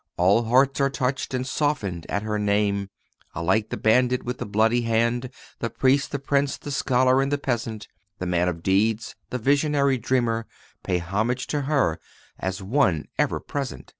All hearts are touched and softened at her name Alike the bandit with the bloody hand, The priest, the prince, the scholar and the peasant The man of deeds, the visionary dreamer Pay homage to her as one ever present!